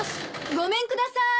・ごめんくださーい。